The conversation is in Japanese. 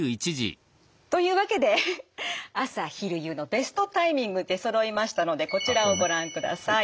というわけで朝昼夕のベストタイミング出そろいましたのでこちらをご覧ください。